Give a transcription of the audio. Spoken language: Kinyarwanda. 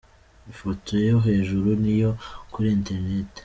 Ifoto yo hejuru ni iyo kuri Internet.